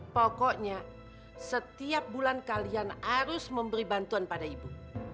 pokoknya setiap bulan kalian harus memberi bantuan pada ibu